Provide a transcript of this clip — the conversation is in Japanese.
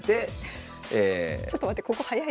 ちょっと待ってここ早いな結構。